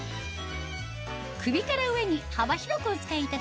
首から上に幅広くお使いいただける